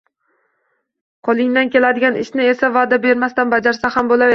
Qo’lingdan keladigan ishni esa, va’da bermasdan bajarsa ham bo’laveradi.